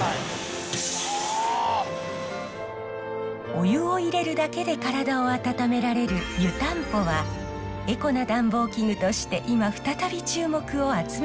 お湯を入れるだけで体を温められる湯たんぽはエコな暖房器具として今再び注目を集めているんです。